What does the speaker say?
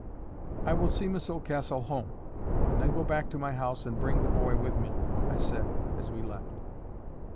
"I will see Miss Oldcastle home, and then go back to my house and bring the boy with me," I said, as we left.